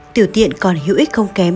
tiểu tiện còn hữu ích không kém